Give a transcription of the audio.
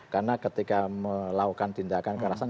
karena ketika melakukan tindakan kekerasan